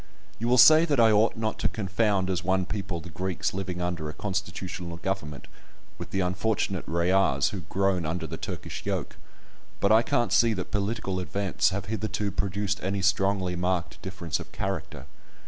You will say that I ought not to confound as one people the Greeks living under a constitutional government with the unfortunate Rayahs who "groan under the Turkish yoke," but I can't see that political events have hitherto produced any strongly marked difference of character.